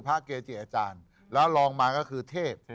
คิกคิกคิกคิกคิกคิกคิกคิกคิกคิก